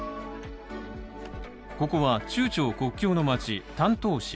ここは中朝国境の町・丹東市。